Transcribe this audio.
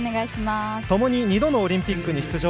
ともに２度のオリンピックに出場。